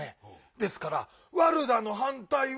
ですから「ワルダ」のはんたいは。